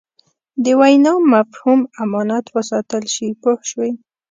د وینا مفهوم امانت وساتل شي پوه شوې!.